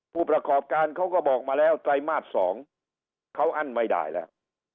ผู้ประกอบการเขาก็บอกมาแล้วไตรมาส๒เขาอั้นไม่ได้แล้ว